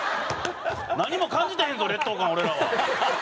何も感じてへんぞ劣等感俺らは。